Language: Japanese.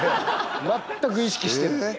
全く意識してない。